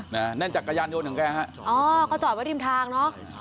นะฮะนั่นจากกระยันโยนของแกฮะอ๋อก็จอดไว้ดินทางเนอะ